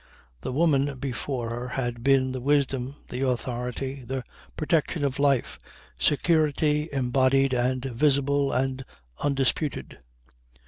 The woman before her had been the wisdom, the authority, the protection of life, security embodied and visible and undisputed.